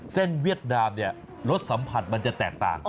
เวียดนามเนี่ยรสสัมผัสมันจะแตกต่าง